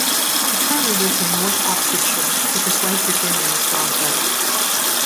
He currently lives in north Oxfordshire with his wife Virginia and his dog Buddy.